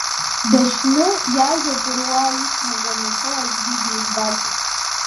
Дашьны, иажәа быруа, иқәнагам иҳәо аӡәгьы димбацызт.